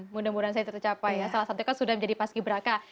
mudah mudahan saya tetap capai ya salah satunya kan sudah menjadi paski beraka